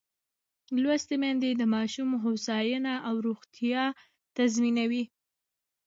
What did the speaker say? لوستې میندې د ماشوم هوساینه او روغتیا تضمینوي.